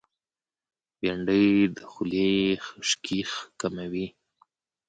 بېنډۍ د خولې خشکي کموي